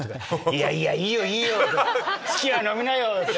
いやいやいいよいいよ好きなの飲みなよ！